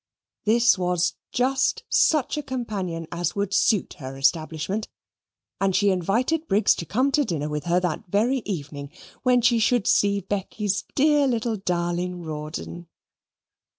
This was just such a companion as would suit her establishment, and she invited Briggs to come to dinner with her that very evening, when she should see Becky's dear little darling Rawdon.